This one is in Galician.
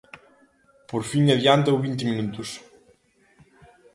Por fin adiántao vinte minutos.